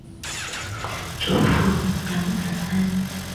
祖父杨子安。